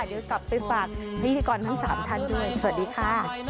เดี๋ยวกลับไปฝากพิธีกรทั้ง๓ท่านด้วยสวัสดีค่ะ